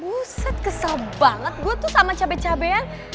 buset kesel banget gue tuh sama cabe cabean